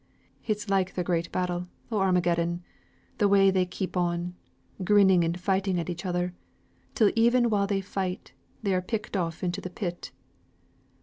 It's like th' great battle o' Armageddon, the way they keep on, grinning and fighting at each other, till even while they fight, they are picked off into the pit."